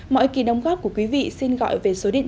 mọi người hãy đăng ký kênh để ủng hộ kênh của chúng mình nhé